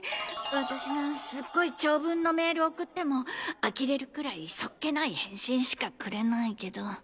私がすっごい長文のメール送っても呆れるくらい素っ気ない返信しかくれないけど。